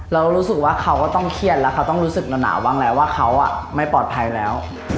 เรารู้สึกว่าเขาก็ต้องเครียดแล้วเขาต้องรู้สึกหนาวบ้างแล้วว่าเขาไม่ปลอดภัยแล้ว